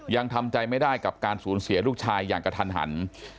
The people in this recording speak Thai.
ยังทำใจไม่ได้กับการสูญเสียลูกชายอย่างกระทันหัน